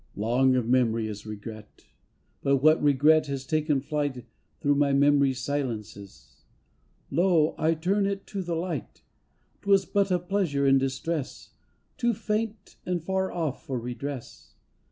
Long of memory is Regret, But what Regret has taken flight Through my memory's silences? Lo! I turn it to the light. 'Twas but a pleasure in distress, Too faint and far off for redress.